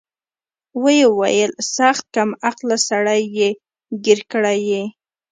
ويې ويل سخت کم عقله سړى يې ګير کړى يې.